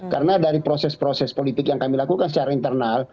karena dari proses proses politik yang kami lakukan secara internal